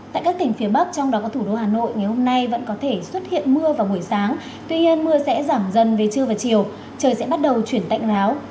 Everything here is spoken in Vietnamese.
tại các tỉnh phía bắc trong đó có thủ đô hà nội ngày hôm nay vẫn có thể xuất hiện mưa vào buổi sáng tuy nhiên mưa sẽ giảm dần về trưa và chiều trời sẽ bắt đầu chuyển tạnh giáo